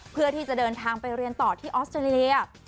เพื่อที่จะเดินทางไปเรียนต่อที่ออสเตรเลีย